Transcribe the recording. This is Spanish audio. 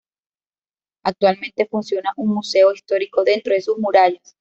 Actualmente funciona un museo histórico dentro de sus murallas.